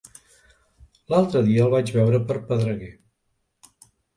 L'altre dia el vaig veure per Pedreguer.